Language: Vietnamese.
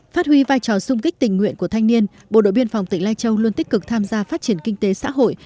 phát huy vai trò xung kích tình nguyện của thanh niên bộ đội biên phòng tỉnh lai châu luôn tích cực tham gia phát triển kinh tế xã hội